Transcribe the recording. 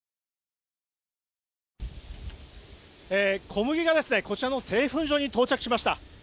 小麦がこちらの製粉場に到着しました。